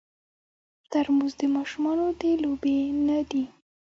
ترموز د ماشومانو د لوبې نه دی.